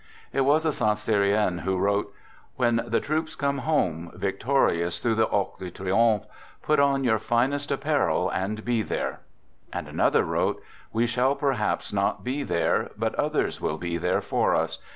It was a Saint Cyrien who wrote :" When the troops come home victorious through the Arc de Triomphe, put on your finest apparel and be there." And another wrote: "We shall perhaps not be there, but others will be there for us.